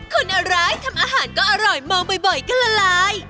คนร้ายทำอาหารก็อร่อยมองบ่อยก็ละลาย